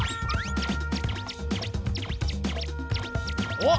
おっ！